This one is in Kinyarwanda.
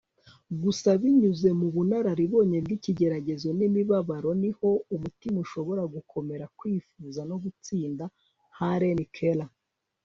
gusa binyuze mu bunararibonye bw'ikigeragezo n'imibabaro niho umutima ushobora gukomera, kwifuza, no gutsinda. - hellen keller